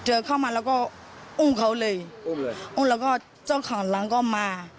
อุ้มแล้วก็เจ้าข้างหลังก็มา